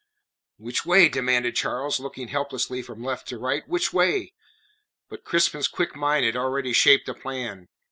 "Which way?" demanded Charles, looking helplessly from left to right. "Which way?" But Crispin's quick mind had already shaped a plan.